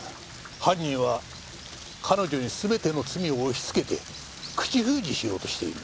犯人は彼女に全ての罪を押しつけて口封じしようとしている。